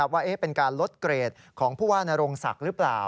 ว่าเป็นการลดเกรดของผู้ว่านโรงศักดิ์หรือเปล่า